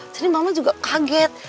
jadi mama juga kaget